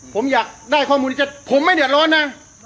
ผมอยากได้ข้อมูลที่จะผมไม่เดือดร้อนนะ